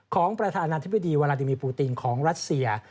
ของประธานาธิบดีวาลาดิมีปูตินของรัสเซีย